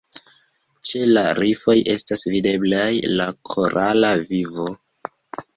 Ĉe la rifoj estas videblaj la korala vivo.